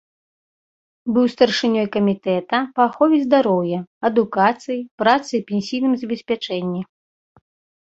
Быў старшынёй камітэта па ахове здароўя, адукацыі, працы і пенсійным забеспячэнні.